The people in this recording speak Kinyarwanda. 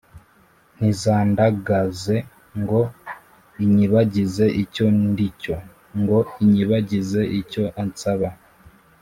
ntizandangaze ngo inyibagize icyo ndicyo, ngo inyibagize icyo ansaba